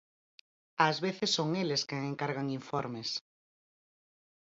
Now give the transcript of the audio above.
Ás veces son eles quen encargan informes.